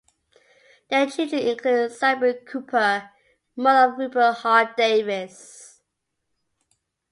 Their children included Sybil Cooper, mother of Rupert Hart-Davis.